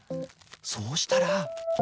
そうしたら。